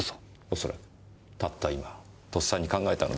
恐らくたった今とっさに考えたのでしょう。